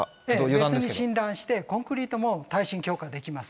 別に診断してコンクリートも耐震強化できます。